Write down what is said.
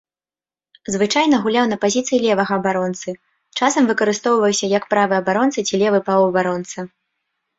Звычайна гуляў на пазіцыі левага абаронцы, часам выкарыстоўваўся як правы абаронца ці левы паўабаронца.